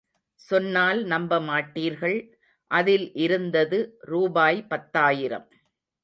சொன்னால் நம்ப மாட்டீர்கள் அதில் இருந்தது ரூபாய் பத்தாயிரம்.